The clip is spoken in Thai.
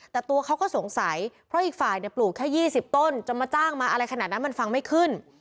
แต่ตัวเขาก็สงสัยเพราะอีกฝ่ายปลูกแค่๒๐ต้นจะมาจ้างมาอะไรขนาดนั้นมันฟังไม่ขึ้น